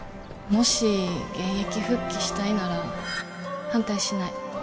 もし現役復帰したいなら反対しない